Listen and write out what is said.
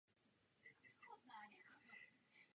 Jako výchozí domovská stránka se používá služba Start.me.